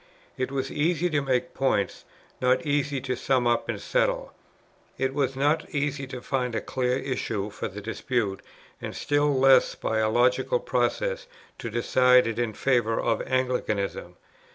It was easy to make points, not easy to sum up and settle. It was not easy to find a clear issue for the dispute, and still less by a logical process to decide it in favour of Anglicanism.